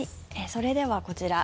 それでは、こちら。